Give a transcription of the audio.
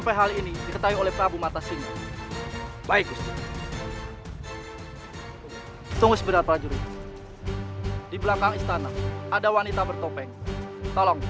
ini tidak bisa dibiarkan